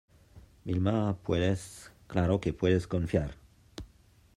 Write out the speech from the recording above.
Vilma, puedes, claro que puedes confiar.